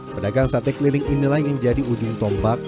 pedagang sate keliling inilah yang jadi ujung tombak